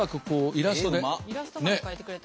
イラストまで描いてくれた。